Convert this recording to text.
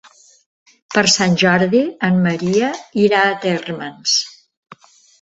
Per Sant Jordi en Maria irà a Térmens.